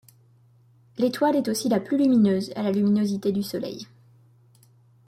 L'étoile est aussi la plus lumineuse à la luminosité du Soleil.